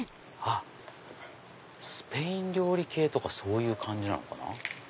スペイン料理系とかそういう感じなのかな。